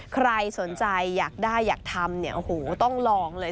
ใครสนใจอยากได้อยากทำเนี่ยโอ้โหต้องลองเลย